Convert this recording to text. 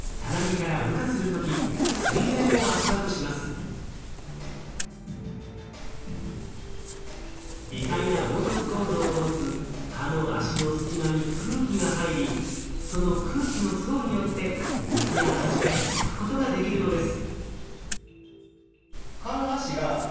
そのためさなぎから微細な凹凸構造を持つ蚊の脚の隙間に空気が入りその空気の層によって水がはじかれ浮くことができるのです。